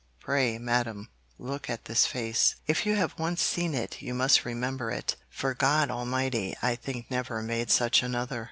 Pray, madam, look at this face; if you have once seen it you must remember it, for God Almighty I think never made such another.'